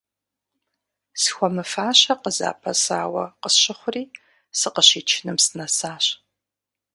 Схуэмыфащэ къызапэсауэ къысщыхъури, сыкъыщичыным сынэсащ.